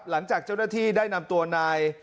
หลังจากเจ้าหน้าที่ได้นำตัวนาย